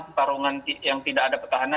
pertarungan yang tidak ada petahana